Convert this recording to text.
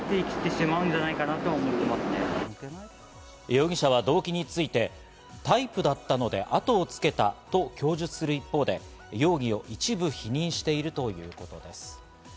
容疑者は動機について、タイプだったので後をつけたと供述する一方で、容疑を一部否認しているということです。